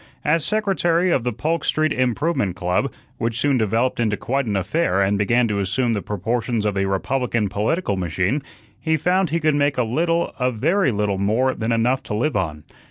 As secretary of the Polk Street Improvement Club which soon developed into quite an affair and began to assume the proportions of a Republican political machine he found he could make a little, a very little more than enough to live on.